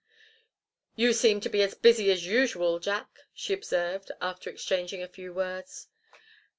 "You seem to be as busy as usual, Jack," she observed, after exchanging a few words.